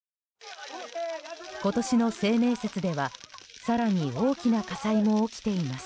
今年の清明節では、更に大きな火災も起きています。